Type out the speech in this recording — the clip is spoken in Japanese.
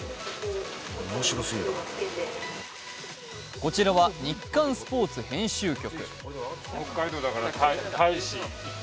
こちらは「日刊スポーツ」編集局。